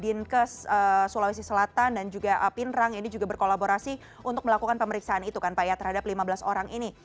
dinkes sulawesi selatan dan juga pinrang ini juga berkolaborasi untuk melakukan pemeriksaan itu kan pak ya terhadap lima belas orang ini